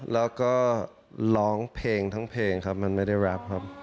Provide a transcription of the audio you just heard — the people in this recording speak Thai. แล้วก็ร้องเพลงทั้งเพลงครับมันไม่ได้แรปครับ